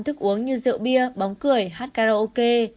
thức uống như rượu bia bóng cười hát karaoke